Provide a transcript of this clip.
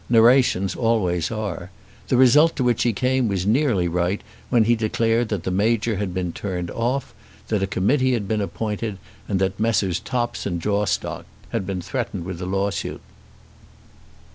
Narrations always are. The result to which he came was nearly right when he declared that the Major had been turned off, that a committee had been appointed, and that Messrs. Topps and Jawstock had been threatened with a lawsuit.